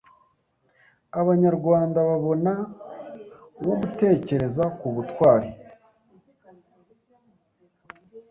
Abanyarwanda babona wo gutekereza ku butwari